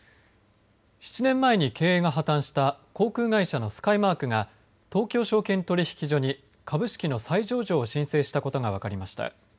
７年前に経営が破綻した航空会社のスカイマークが東京証券取引所に株式の再上場を申請したことが分かりました。